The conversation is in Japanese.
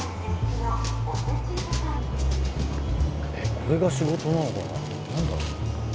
これが仕事なのかな？